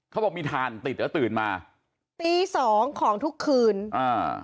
เขาบอกมีถ่านติดแล้วตื่นมาตีสองของทุกคืนอ่า